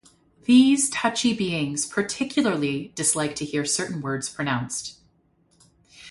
These touchy beings particularly dislike to hear certain words pronounced.